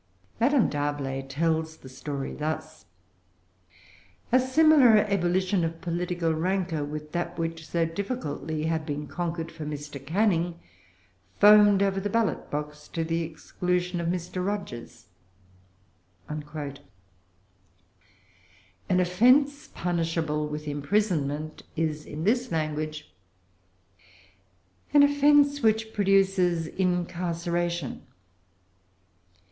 Madame D'Arblay tells the story thus: "A similar ebullition of political rancor with that which so difficultly had been conquered for Mr. Canning foamed over the ballot box to the exclusion of Mr. Rogers."[Pg 393] An offence punishable with imprisonment is, in this language, an offence "which produces incarceration."